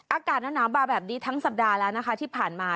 อากาศหนาวบาแบบนี้ทั้งสัปดาห์แล้วนะคะที่ผ่านมา